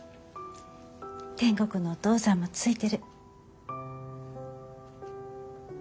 天国のお父さんもついてる。